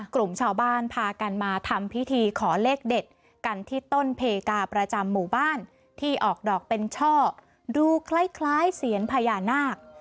กลุ่มชาวบ้านพากันมาทำพิธีขอเลขเด็ดกันที่ต้นเพกาประจำหมู่บ้านที่ออกดอกเป็นช่อดูคล้ายเสียนพญานาค